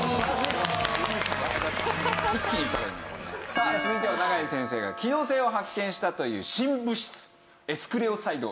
さあ続いては永井先生が機能性を発見したという新物質エスクレオサイドＡ